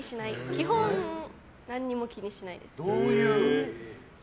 基本、何にも気にしないです。